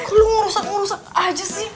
kok lo ngerusak ngerusak aja sih